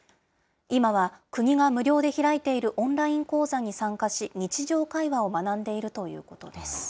今は、国が無料で開いているオンライン講座に参加し、日常会話を学んでいるということです。